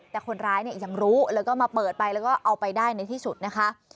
แต่คนร้ายเนี่ยยังรู้แล้วก็มาเปิดไปแล้วก็เอาไปได้ในที่สุดนะคะ